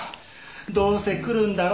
どうせ来るんだろ？